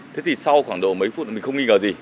thế thì sau khoảng độ mấy phút mình không nghi ngờ gì